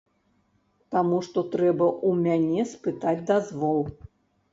Таму што трэба ў мяне спытаць дазвол.